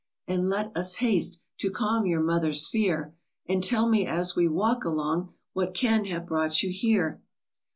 and let us haste To calm your mother's fear ; And tell me, as we walk along, What can have brought you here